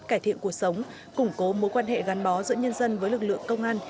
cải thiện cuộc sống củng cố mối quan hệ gắn bó giữa nhân dân với lực lượng công an